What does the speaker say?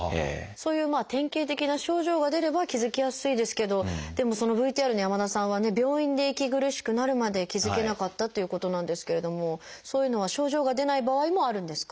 そういうまあ典型的な症状が出れば気付きやすいですけどでもそのＶＴＲの山田さんはね病院で息苦しくなるまで気付けなかったっていうことなんですけれどもそういうのは症状が出ない場合もあるんですか？